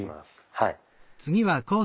はい。